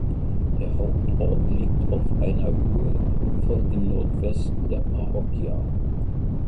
Der Hauptort liegt auf einer Höhe von im Nordwesten der Parroquia.